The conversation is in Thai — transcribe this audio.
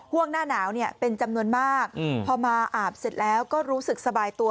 ่งหน้าหนาวเนี่ยเป็นจำนวนมากพอมาอาบเสร็จแล้วก็รู้สึกสบายตัว